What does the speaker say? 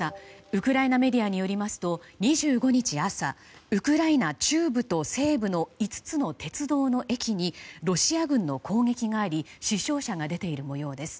ウクライナメディアによりますと２５日朝ウクライナ中部と西部の５つの鉄道の駅にロシア軍の攻撃があり死傷者が出ている模様です。